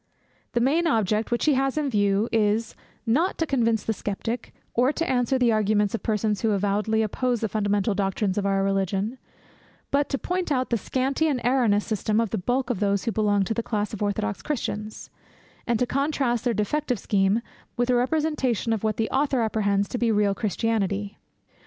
The main object which he has in view is, not to convince the Sceptic, or to answer the arguments of persons who avowedly oppose the fundamental doctrines of our Religion; but to point out the scanty and erroneous system of the bulk of those who belong to the class of orthodox Christians, and to contrast their defective scheme with a representation of what the author apprehends to be real Christianity.